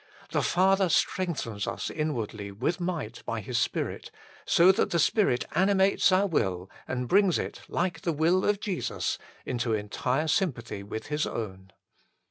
The Father strengthens us inwardly with might by His Spirit, so that the Spirit animates our will and brings it, like the will of Jesus, into entire sympathy with His own.